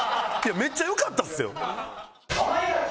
めっちゃ良かったっすよ。